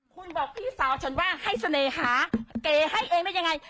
คุณบอกพี่สาวฉันว่าให้เสน่หาเก๋ให้เองได้ยังไง